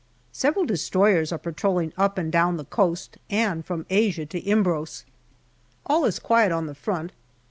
Several destroyers are patrolling up and down the coast, and from Asia to Imbros. All is quiet on the front.